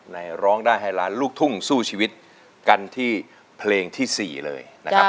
ร้องได้ให้ล้านลูกทุ่งสู้ชีวิตกันที่เพลงที่๔เลยนะครับ